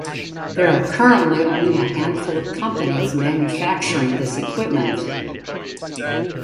There are currently only a handful of companies manufacturing this equipment.